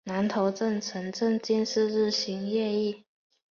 南头镇城镇建设日新月异。